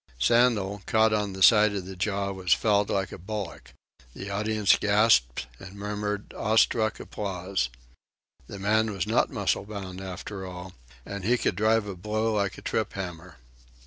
Sandel, caught on the side of the jaw, was felled like a bullock. The audience gasped and murmured awe stricken applause. The man was not muscle bound, after all, and he could drive a blow like a trip hammer.